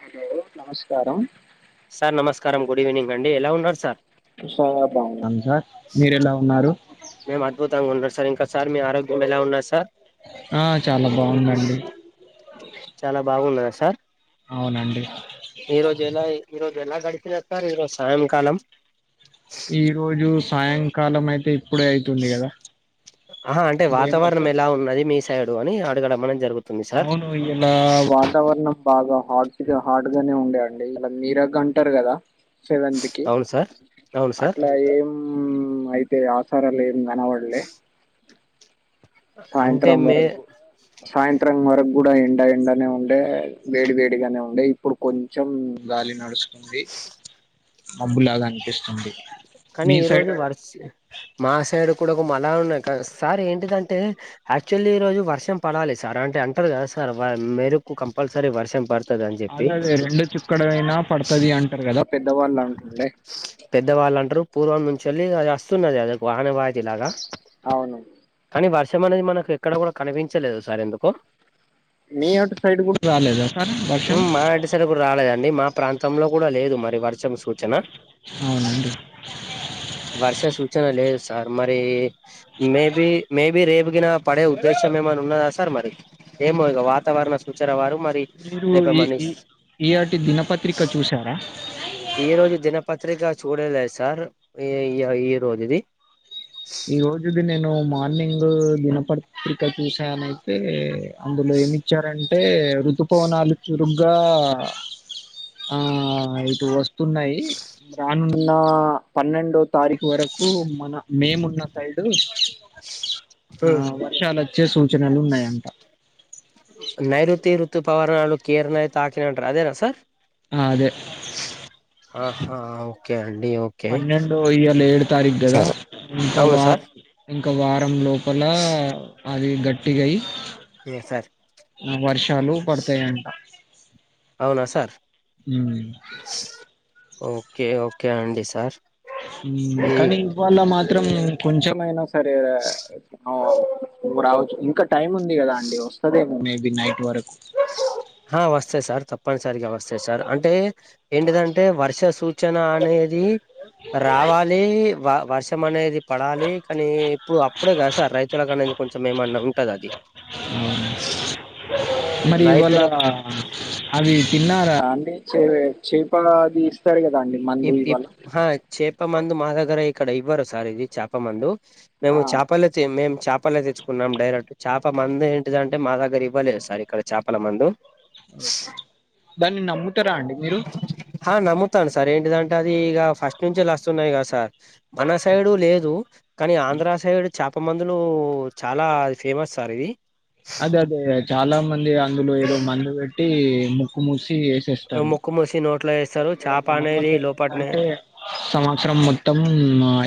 Hello నమష్కారం sir నమస్కరం good evening అండి ఎలా ఉన్నార్ సర్ శానా బాగున్నాన్ సర్ మీరెలా ఉన్నారు మేమ్ అద్భుతంగున్నం సర్ ఇంక సర్ మీ ఆరోగ్యం ఎలా ఉన్నాద్సర్ ఆ చాలా బావుందండి చలా బాగున్నదా సర్ ఔనాండి ఇరోజ్ ఎలా ఇరోజెలా గడిపినర్ అక్క ఇరోజ్ సాయంకాలం ఇరోజు సాయంకాలం అయితే ఇప్పుడే అయితుంది కదా ఆహా అంటే డే వాతావరణం మొత్తం ఎలా ఉన్నది మీస్ అయ్యాడు అని అడగడం మనం జరుగుతుంది సార్ [unintelligible] ఇలా వాతావరణం బాగా హాట్గా హార్డ్గనే ఉండే అండి ఇలా నీరగ్గ అంటర్ గదా సెవెంత్కి అవును సార్ అవును సార్ అట్లా ఏం అయి టె ఆచారాలేం గనవల్లె అంటే సాయంత్రం మే వరకు సాయంత్రం వరక్గుడా ఎండ ఎండనే ఉండే వేడి వేడిగనే ఉండే ఇప్పుడు కొంచెం గాలి నడుస్తుంది మబ్బులగ అనిపిస్తుంది కనీ మీ సైడ్ ఇరోజు అదే వర్ష మా సైడుకుడ ఒక మలా ఉన్నక్ సార్ ఏంటిదంటే యాక్చల్లీ ఇరోజు వర్షం పడాలె సర్ అంటే అంటర్గదాసార్ వ మెరుపు కంపల్సరీ వర్షం పడ్ అదదే రెండు చుక్కడైనా పడతది అంటర్గద పెద్దవాళ్ళం పెద్దవాళ్ళంటరు పూర్వంనుంచెల్లి అది అస్తున్నది అదొక్ ఆనవాతీలాగ ఔను కని వర్షం అనేద్మనక్ ఎక్కడ గుడ కనిపించలేదు సార్ ఎందుకో మీ అటు సైడ్ గుడ రాలేదా సర్ ఉమ్మ్ మాఇంటి సైడు గుడ రాలేదండి మా ప్రాంతంలో గుడ లేదు మరి వర్షం సూచన ఔనాండి వర్ష సూచన లేదు సార్ మరీ మేబీ మేబి రేపుగిన పడే ఉద్దేశం ఏమన్నా ఉన్నదా సార్ మరి ఏమో ఇగ వాతావరణ సూచర వారు మరి మీరు రేపు ఈ ఈ మనీష్ ఈయాటి దినపత్రిక చూసారా ఏ రోజు దినపత్రిక చూడలేదు. సార్ ఇగ ఈ రోజుది ఈ రోజుది నేను మార్నింగు దిన ప్రత్రిక చూసానైతే అందులో ఎమ్మిచారంటే రూతుపవనాలు చురు గా ఆ ఇటు వ స్తున్నాయి రానున్న పన్నెండో తారీఖు వరకు మన మే మున్న న్న సైడు ఆ వర్షాలు ఓచ్చే సూచనలు ఉన్నాయంట నైరుతి ఋతు పవరాళు కేర్నైయిత తక్కినై అదేనా సార్ ఆ అదే ఆహా ఓకే అండి ఓకే పన్నెండు ఇయల ఏడు తారీగదా ఇంకా అవును సార్ వారం ఇంకా వారం లోపల అది గట్టిగాయి సార్ నా వర్షాలు పడుతాయంట అవునా సార్ హ్ ఓకే ఒకే అండి సార్ మ్మ్ ఈ కానీ ఇవ్వాళ మాత్రం కొంచెమైనా సరే ఆ ప్పుడు రావచ్చు ఇంకా టైం ఉంది. గదా అండి ఓస్తదమో మేబి నైట్ వరకు హ వస్తాయి సార్ తప్పనిసరిగావ స్తయి సార్ అంటే ఏంటిదంటే వర్ష సూచన అనేది రావాలి వ వర్షం అనేది పడాలి కనీ పు అప్పుడే గద సార్ రైతులకనేది కొంచెం ఏమన్నా ఉంటది అది మరి ఇవ్వాళ రైతులకు అవి తిన్నారా అండి చే చేపలా అది ఇస్తారు. గదా అండి మందు ఇవాళ అహా చేప మందు మా దగ్గర ఇక్కడ ఇవ్వరు సార్ ఇది చాప మందు ఆ మేము చేపలతే మేము చేపలే తెచ్చుకున్నాం డైరెక్ట్ చేప మందేంటిదంటే మా దగ్గర ఇవ్వలేదు. సార్ ఇక్కడ చాపల మందు ఒకే దాన్ని నమ్ముతారా అండి మీరు హా నమ్ముతాను. సార్ ఏంటిదంటే అది ఇగా ఫస్ట్ నుంచేల్లి ఆస్తున్నాయి. గాదా సార్ మన సైడు లేదు. కానీ ఆంధ్ర సైడ్ చాప మందులు చాలా ఫేమస్ సార్ ఇది అదే అదే చాలా మంది అందులో ఏదో మందు వేట్టి ము ముసి ఏసేస్తారు ముక్కు మూసి నోట్లో వేస్తారు అయితే వాళ్ళ చేప అనేది నమ్మకం లోపట్నే ఏందంటే సంవత్సరం మొత్తం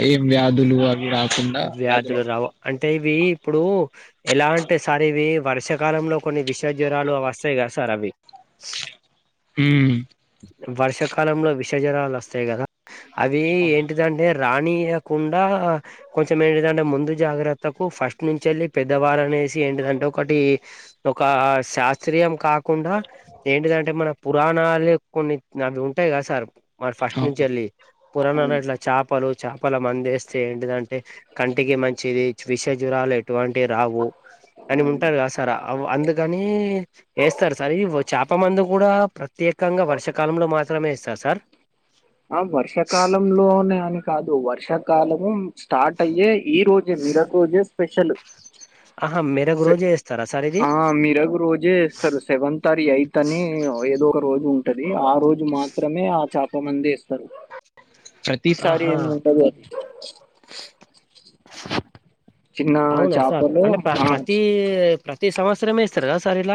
ఏం వ్యాధులు అవి రాకుండా వ్యాధులు అంటన్న అంటే ఇవి ఇప్పుడు ఎలా అంటే సార్ ఇవి వర్షాకాలంలో కొన్ని విష జ్వరాలు వస్తాయి. గద సార్ అవి హ్ వర్షాకాలంలో విష జ్వారాలు వస్తాయి. గద అవి అవును ఏంటిదంటే రానియకుండా కొంచెం ఏంటిదంటే ముందు జాగ్రత్తకు ఫస్ట్ నుంచేళ్ళి పెద్దవారు ఆనేసి ఏంటిదంటే ఒకటి ఒక శాస్త్రీయం కా కుండా ఏంటిదంటే మన పురాణాలే కొన్ని అవి ఉంటాయి. కదా సార్ మరి ఫస్ట్ అవును నుంచేళ్ళి పురానా అవును. ఇట్లా చా పలు చేపల మందేస్తే ఏంటిదంటే కంటికి మంచిది విష జ్వరాలె అటువంటివి రావు అని ఉంటరు కదా సార్ అందుకని వేస్తారు సార్ చేప మందు కూడా ప్రత్యేకంగా వర్షాకాలంలో మాత్రమే ఇస్తర్ సార్ ఆ వర్షాకాలంలోనే అని కాదు వర్షాకాలము స్టార్ట్ అయ్యే ఈ రోజే మీరొకరోజే స్పెషల్ ఆహా మెరగు స రోజే వేస్తారా సార్ ఇది ఆ మీరగు రోజే సార్ సెవెంతర్ ఎయిత్ అని ఏదో ఒక రోజు ఉంటది ఆ రోజు మాత్రమే ఆ చేప మందే స్తరూ ప్రతిసారి ఆహా ఏముంటద చిన్న అవునా సార్ చేపలు అంటే ప్ర ఆ ప్రతి ప్రతి సంవత్సరమే ఏస్తరు కా సార్ ఇల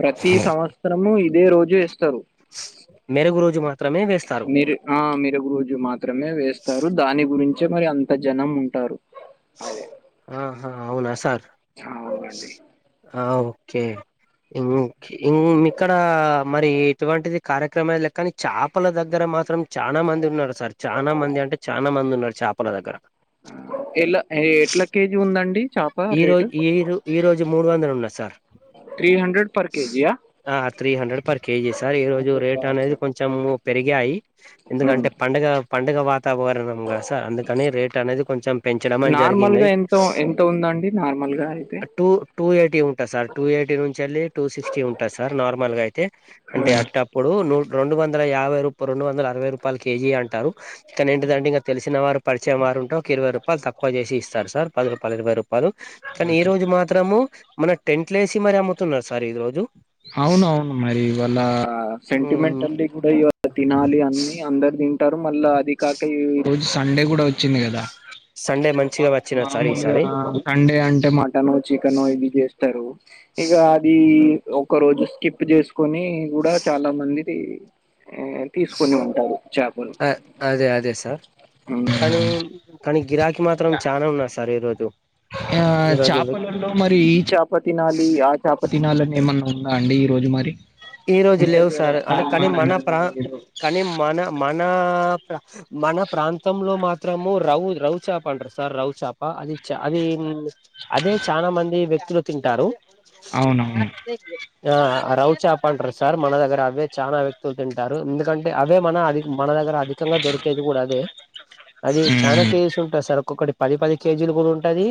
ప్రతి సంవత్సరము ఇదే రోజు వేస్తరు మెరుగు రోజు మాత్రమే వేస్తారు మీరు ఆ మెరుగు రోజు మాత్రమే వేస్తారు దాని గురించే మరి అంత జనం ఉంటరు అదే ఆహా అవునాసార్ చ అవునండి ఆ ఓకే ఇం ఇం ఇక్కడ మరి ఎటువంటిది కార్యక్రమం లెక్కనే చేపల దగ్గర మాత్రం చానా మంది ఉన్నరు సార్ చానా మంది అంటే చాలా మంది ఉన్నరు చేపల దగ్గర ఎలా ఎట్ల కేజీ ఉందండి చాప్ ఈ రోజు ఈ ఈ రోజు మూడు వందలు ఉన్నది సార్ త్రీ హండ్రెడ్ పర్ కేజియా ఆ three hundred per KG sir ఈ రోజు అదే రేటు బాక్స్ అనేది కొంచెం పెరిగాయి ఎందుకంటే పండగ పండగ వాతావరణం కదా సార్ అందుకని రేటు అనేది కొంచెం పెంచడం అని నార్మల్ జరిగింది గా ఎంత ఎంత ఉందండి నార్మల్గా అయితే టూ టూ ఎయిటీ ఉంటది సార్ టూ ఎయిటీ నుంచి వెళ్ళి టూ సిక్స్టీ ఉంటది సార్ నార్మల్గా అయితే ఆ! అంటే అట్టప్పుడు రెండు వందల యాభై రూపా రెండు వందల అరవై రూపాయల కేజీ అంటారు కానీ ఏంటిదంటే ఇంగ తెలిసిన వారు పరిచయం వారు ఉంటె ఒక ఇరవై రూపాయలు తక్కువ చేసి ఇస్తారు సార్ పదిరూప పది ఇరవై రూపాయలు కానీ ఈ ఓకే రోజు మాత్రము మన టెంట్లెసి మరి అమ్ముతున్నరు సార్ ఈ రోజు అవునవును మరి ఇవాళ సెంటిమెంటట్ల్ కూడా ఇళ తినాలి అన్ని అందరు తిం టరు మల్ల అది కాక ఈ రోజు సండే కూడాఓ చింది కదా సండే మంచిగా వచ్చిన సార్ మాములుగా ఈసారి సండే అంటే మటన్ చికెన్ ఇది చేస్తరు ఇగ అది ఒక రోజు స్కిప్ చేసుకొని కూడా చాలా మందిది తీసుకొని ఉంటరు అ అదే అదే సార్ కానీ కానీ గిరాకీ మాత్రం చానా ఉన్నది సార్ ఈ రోజు ఆ ఈ రోజు చేపలలో మరి ఈ చేప తినాలి ఆ చప తినాలని ఏమన్న ఉందా అండి ఈ రోజు మరి ఈ రోజు ఉంటది లేవు కదా సార్ అంటే కనీ సాల్మన్ మన అని ప్ర ఏదో కానీ మన మన ప్ర మన ప్రాంతంలో మాత్రము రవు రవుచప అంటారు సార్ రవుచప అది చ అది అదే చానా మంది వ్యక్తులు తింటారు అవునవును ఆ ఆ రవు చప్ టారు సార్ మన దగ్గర అవే చాలా వ్యక్తులు తింటారు ఎందుకంటే అవ్వే మన అది మన దగ్గర అధికంగా దొరికేది కూడా అదే అది మ్మ్. చానకేస్ టది సార్ ఒక్కొక్కటి పది పది కేజీలు కూడా ఉంటది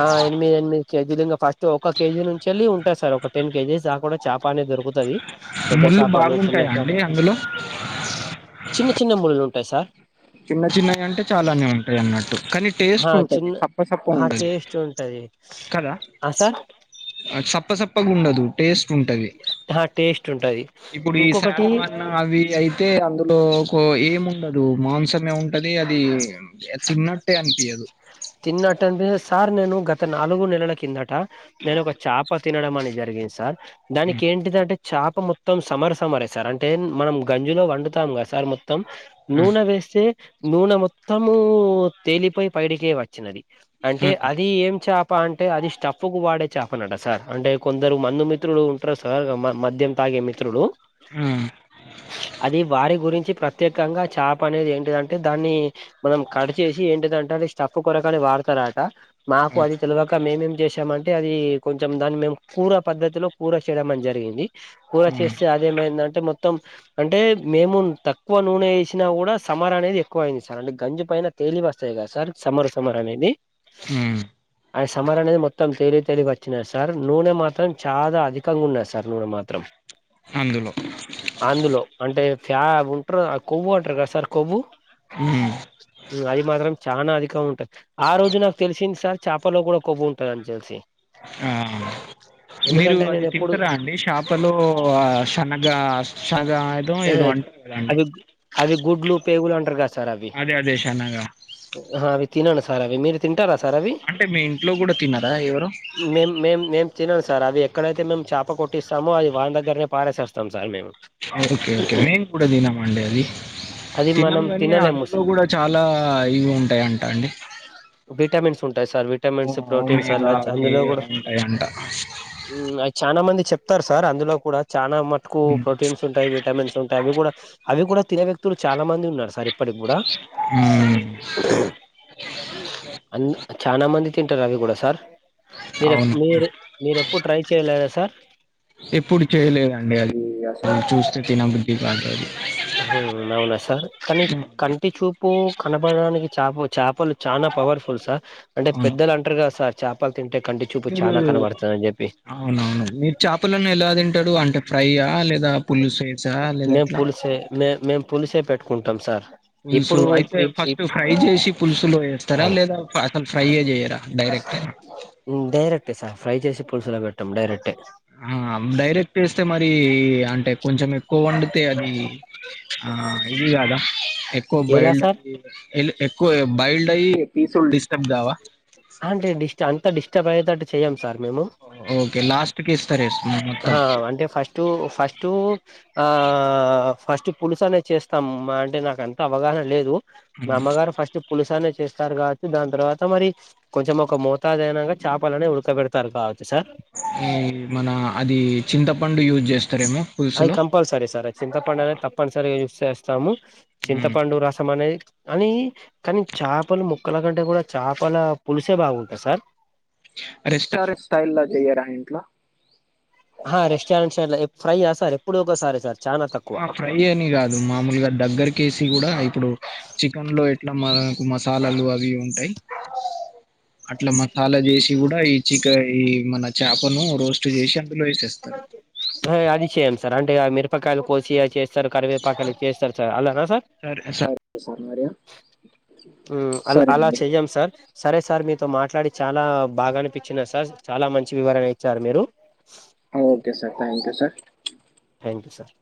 ఆ ఎనిమిది ఎనిమిది కేజీలు ఇగ ఫస్ట్ తొ ఒక కేజీ నుంచి కెళ్ళి ఉంటాది సార్ ఒక టెన్ కేజీ దాకా కూడా చేప అనేది దొరుకు తది పెద్ద ముళ్ళు చేపాలు చిన్న బాగుంటాయా చాప అండి అందులో చిన్న చిన్న మూల్లు లు ఉంటాయి సార్ చిన్న చిన్నవి అంటే చాలానే ఉంటాయి అన్నట్టు కానీ టేస్ట్ ఆ ఉంటది చిన్న సప్ప సప్ప ఆ ఉండదు టేస్ట్ ఉంటది కదా ఆ సార్ సప్ప సప్పగా ఉండదు టేస్ట్ ఉంటది ఆహ్ టేస్ట్ ఉంటది ఇప్పుడు ఈ సార్ ఇంకొకటి మ అవి అయితే అందులో ఒక ఏం ఉండదు మాంసమే ఉంటది అది త చిన్నట్టే అనిపియదు తిన్నట్టంట సార్ నేను గత నాలుగు నెలల కిందట నేను ఒక చేప తినడం అనే జరిగింది సార్ దానికి ఏంటిది అంటే చేప మొత్తం సమర్ సమర సార్ అంటే మనం గంజిలో వండుతాము గదా సార్ మొత మొత్తం ఆ నూనె వేస్తే నూనె మొత్తము తేలిపై పైడికే వచ్చినది అంటే ఆ అది ఏం చాప్ తప్ప అంటే అది స్టఫ్కు వాడే చాపనట సార్ అంటే కొందరు మందుమిత్రులు ఉంటారు సార్ మ మద్యం తాగే మి త్రుడు ఉమ్ అది వారి గురించి ప్రత్యేకంగా చాప అనేది ఏంటిదంటే దాన్ని మనం కడ్ ఏంటితది స్టఫ్ఫు కొరకని వాడతారట మాకు అది ఓకే. తెలువ ఇంకా మేమేం చేసామంటే అది కొంచెం దాన్ని మేము కూర పద్దతిలో కూర చేయడం అని జరిగింది. కూర ఉమ్ చేస్తే అదేమైందంటే మొత్తం అంటే మేము తక్కువ నూనె వేసినా కూడా సమర అనేది ఎక్కువ అయింది సార్ అంటే గంజి పైన తేలి వస్తాయి గద సార్ సమరు సమర్ అనేది ఉమ్ అది సమర్ అనేది మొత్తం తేలి తేలిగ వచ్చినా సార్ నూనె మాత్రం చాలా అధికంగా ఉన్న సార్ నూనె మాత్రం అందులో అందులో అంటే ఫ్యా ఉంటారు కొవ్వు అంటారు కదా సార్ కొవ్వు ఉమ్ అది మాత్రం చాలా అధికం ఉంటది ఆ రోజు నాకు తెలిసింది సార్ చేపలో కూడా కొవ్వు ఉంటది అని చెలిసి ఆ మీరు అది నేను ఎప్పుడు తింటరా అండి శా లో ఆ శనగ శగ ఆ అవి గు అవి గుడ్లు పేగులు అంటారు గదా సార్ అవి అదే అదే శనగ ఆ అవి తినను సార్ అవి మీరు తింటారా సార్ అవి అంటే మీ ఇంట్లో కూడా తినర ఎవరు మేం మేము మేము తినను సార్ అవి ఎక్కడైతే మేము చేప కొట్టిస్తామో అది వాని దగ్గరనే పాడేసోస్తాం సార్ మేము ఓకే ఓకే మేన్ కూడా తినమండి అది అది తినము మనం గాని తినలేము అందులో సార్ కూడా చాలా ఇవి ఉంటాయంట అండి విటమిన్స్ ఉంటాయి సార్ విటమిన్స్ ప్రోటీన్స్ ఓమేగా అలా అవి అందులో కూడా ఉంటాయంట అ చాలా మంది చెప్తారు సార్ అందులో కూడా చాలా మటుకు ప్రోటీన్స్ ఉంటాయ్ వి విటమిన్స్ ఉంటాయి అవి కూడా అవి కూడా తినే వ్యక్తులు చాలా మంది ఉన్నారు సార్ ఇప్పటికి గూడా ఉమ్ అన్ చాన మంది తింటారు అవి కూడా సార్ మీరెపు అవును మీరు మీరేప్పుడు ట్రై చేయలేరా సార్? ఎప్పుడు చేయలేదండి అది అసలు చూస్తే తినబుద్ధి గాదు అది. అవునా సార్ కానీ హ్మ్. కంటి చూపు కనపడడానికి చాప. చాపలు చాన పవర్ఫుల్ సార్ అంటే అవును పెద్దలు అంటారు గదా సార్ చేపలు తింటే కంటి చూపు మీరు చానా కనబడుతుంది అని చెప్పి. అవునవును మీరు చేపలను ఎలా తింటారూ అంటే ఫ్రైయా లేదా పులుసు వేసా లేదా ఎట్లా మేము పులిసే పెట్టుకుంటాం సార్. పులుసు ఇప్పుడు ఇప్- అయితే ఇప్- ఫస్ట్ ఇప్- ఫ్రై చేసి పులుసులో వేస్తారా లేదా అసలు ఫ్రై యే చేయరా డైరెక్ట్ గా డైరెక్టే సార్ ఫ్రై చేసి పులుసులో పెట్టం. డైరెక్టే ఆ డైరెక్ట్ యేస్తే మరి అంటే కొంచం ఎక్కువ వొండుతే అది ఆ ఇదిగదా ఎక్కువ ఎలా బాయిల్డ్ సార్ ఎక్కువ బాయిల్డ్ అయి పీసులు డిస్టర్బ్ కావా? అంటే అంత డిస్టర్బ్ అయ్యేటట్టు చేయం సార్ మేము. ఓకే లాస్ట్ కేస్తరే స్మ హా అంటే ఫస్ట్ ఆ ఫస్ట్ పులుసు అనే చేస్తాం అంటే నాకు అంత అవగాహన లేదు. మా హ్మ్. అమ్మగారు ఫస్ట్ పులుసు అనే చేస్తారు. కాబట్టి దాని తర్వాత మరి కొంచం ఒక మోతాదు అయినాక చేపలను ఉడకబెడతారు కావచ్చు సార్. ఈ మన అది చింతపండు యూజ్ చేస్తారేమో అది పులుసులో? కంపల్సరీ సార్ అది చింతపండు అనేది తప్పనిసరి యూజ చేస్తాము. హ్మ్. చింతపండు రసం అనేది కానీ చేపల ముక్కల కంటే కూడా చేపల పులుసే బాగుంటాది సార్. రెస్టారెంట్ స్టైల్ లో చెయ్యరా ఇంట్లో. ఆ హా రెస్టారెంట్ట్ స్టైల్ ఫ్రై ఆ సార్ ఎప్పుడో ఒకసారే సార్ చాలా తక్కువ. ఆ! ఫ్రై అని కాదు మామూలుగా దగ్గరకేసి కూడా ఇప్పుడు చికెన్ లో ఎట్లా మన మసాలాలు అవి ఇవి ఉంటాయి అట్లా అలా చేసి కూడా ఈ మన చేపను రోస్ట్ చేసి అందులో ఎసేస్తారు. హా అది చేయం సార్. అంటే మిరపకాయలు కోసి చేస్తారు కరివేపాకనీ చేస్తారు సార్ అలా చేయం సార్. సరే [unintelligible] సార్ మీరు మ్ అలా అలా చెయ్యం సార్. సరే సార్ మీతో మాట్లాడి చాలా బాగా అనిపించినది సార్. చాలా మంచి వివరణ ఇచ్చారు మీరు. Okay sir thank you sir. Thank you sir